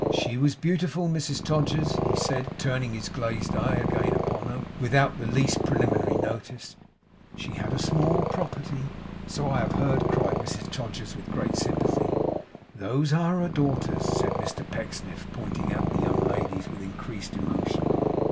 'She was beautiful, Mrs Todgers,' he said, turning his glazed eye again upon her, without the least preliminary notice. 'She had a small property.' 'So I have heard,' cried Mrs Todgers with great sympathy. 'Those are her daughters,' said Mr Pecksniff, pointing out the young ladies, with increased emotion.